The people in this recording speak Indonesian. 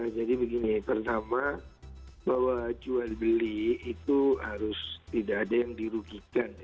jadi begini pertama bahwa jual beli itu harus tidak ada yang dirugikan